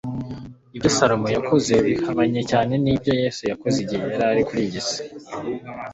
ibyo salomo yakoze bihabanye cyane n'ibyo yesu yakoze igihe yari kuri iyi si